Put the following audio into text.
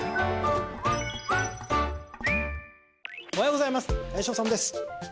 おはようございます林修です。